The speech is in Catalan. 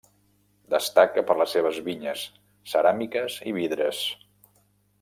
Destaca per les seves vinyes, ceràmiques i vidres.